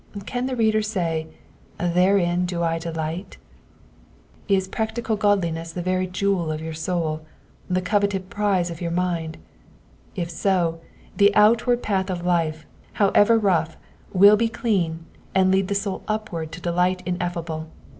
Can the reader say, therein do I delight '7 Is practical godliness the very jewel of your soul, the coveted prize of your mind ? If so, the outward path of life, however rough, will be clean, and lead the soul upward to delight ineffable.